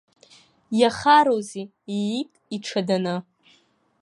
Иахароузеи, иит иҽаданы.